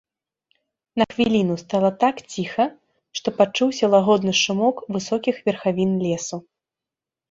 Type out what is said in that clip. На хвіліну стала так ціха, што пачуўся лагодны шумок высокіх верхавін лесу.